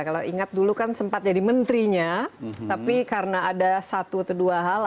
kalau ingat dulu kan sempat jadi menterinya tapi karena ada satu atau dua hal